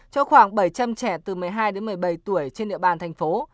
cho khoảng bảy trăm linh trẻ từ một mươi hai đến một mươi bảy tuổi trên địa bàn thành phố